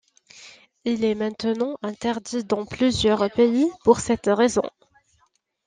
Il est maintenant interdit dans plusieurs pays pour cette raison.